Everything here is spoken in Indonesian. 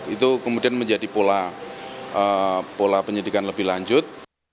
itu kemudian menjadi pola penyidikan lebih lanjut